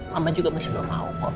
mama juga masih belum mau kok